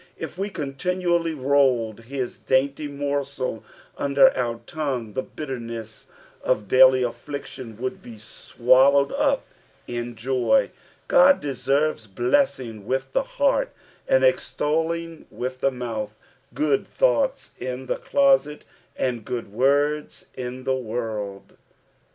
If wc continually rolled this dainty morsel under our tongue, the bitterness of daily afiliction would be swallowed up in jo;. God deserves blessing with the heart, and extolling with the mouth — good thoughts in the closet, and good words in the world.